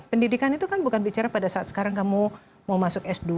pendidikan itu kan bukan bicara pada saat sekarang kamu mau masuk s dua